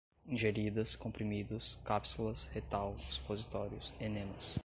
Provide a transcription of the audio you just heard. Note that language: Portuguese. ingeridas, comprimidos, cápsulas, retal, supositórios, enemas